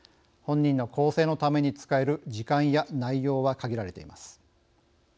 本人の更生のために使える時間や内容は限られています。